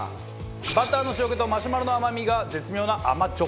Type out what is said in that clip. バターの塩気とマシュマロの甘みが絶妙な甘じょ